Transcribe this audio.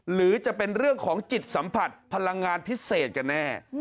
หรือจะเป็นเรื่องของจิตสัมผัสพลังงานพิเศษกันแน่